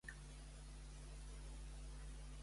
Què va fomentar en aquest periòdic?